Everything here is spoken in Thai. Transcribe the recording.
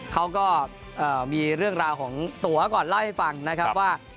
เขาก็มีเรื่องราวของตัวก่อนเล่าให้ฟังนะครับว่า